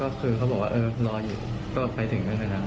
ก็คือเขาบอกว่าเออรออยู่ก็ไปถึงกันนะครับ